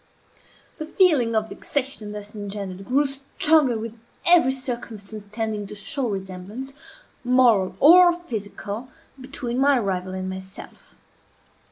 The feeling of vexation thus engendered grew stronger with every circumstance tending to show resemblance, moral or physical, between my rival and myself.